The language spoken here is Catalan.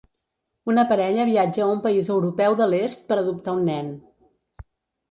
Una parella viatja a un país europeu de l'Est per adoptar un nen.